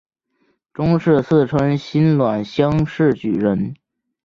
中式四川辛卯乡试举人。